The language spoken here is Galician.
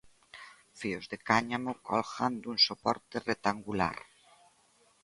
Fíos de cáñamo colgan dun soporte rectangular.